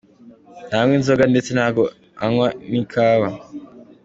Ntanywa Inzoga ndetse ntago anyway n’ikawa.